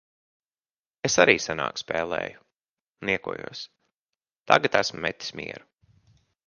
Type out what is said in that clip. Es arī senāk spēlēju. Niekojos. Tagad esmu metis mieru.